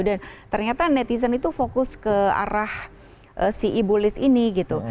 dan ternyata netizen itu fokus ke arah si ibulis ini gitu